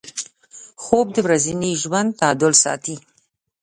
خوب د ورځني ژوند تعادل ساتي